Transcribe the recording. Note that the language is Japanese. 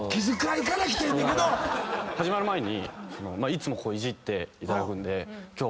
始まる前にいつもこういじっていただくんで。